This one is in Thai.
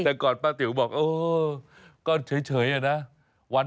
แต่ก่อนป้าติ๋วบอกเออก็เฉยอะนะ